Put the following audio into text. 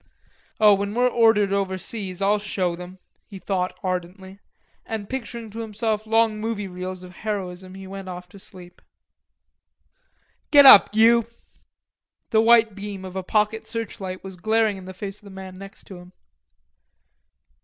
"Oh, when we're ordered overseas, I'll show them," he thought ardently, and picturing to himself long movie reels of heroism he went off to sleep. A sharp voice beside his cot woke him with a jerk. "Get up, you." The white beam of a pocket searchlight was glaring in the face of the man next to him.